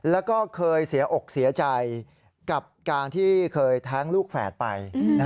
แล้วก็เคยเสียอกเสียใจกับการที่เคยแท้งลูกแฝดไป